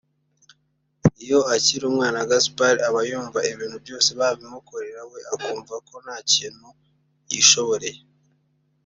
Iyo akiri umwana Gaspard aba yumva ibintu byose babimukorera we akumva ko nta kintu yishoboreye